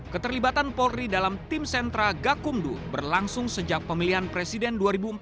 keterlibatan polri dalam tim sentra gakumdu berlangsung sejak pemilihan presiden dua ribu empat belas